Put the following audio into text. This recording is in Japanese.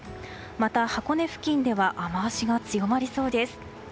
また、箱根付近では雨脚が強まりそうです。